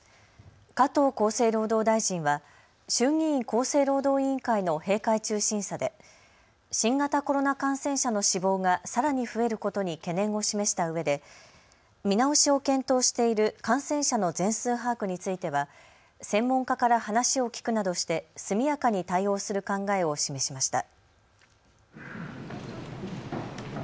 加藤厚生労働大臣は衆議院厚生労働委員会の閉会中審査で新型コロナ感染者の死亡がさらに増えることに懸念を示したうえで、見直しを検討している感染者の全数把握については専門家から話を聞くなどして速やかに対応する考えを示しました。